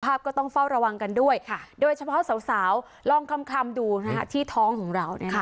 ก็ต้องเฝ้าระวังกันด้วยโดยเฉพาะสาวลองคำดูที่ท้องของเรา